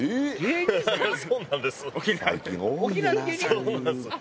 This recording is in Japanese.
そうなんです。